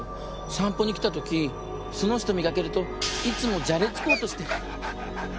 散歩に来た時その人見かけるといつもじゃれつこうとして。